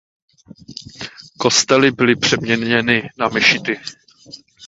Kostely byly přeměněny na mešity.